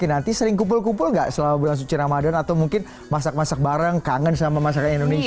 nanti sering kumpul kumpul gak selama bulan suci ramadan atau mungkin masak masak bareng kangen sama masakan indonesia